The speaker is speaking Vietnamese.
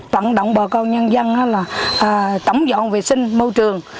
vận động bà con nhân dân là tổng dọn vệ sinh môi trường